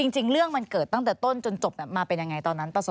จริงเรื่องมันเกิดตั้งแต่ต้นจนจบมาเป็นยังไงตอนนั้น